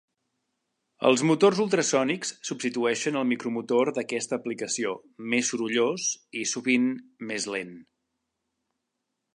Els motors ultrasònics substitueixen el micromotor d'aquesta aplicació, més sorollós i, sovint, més lent.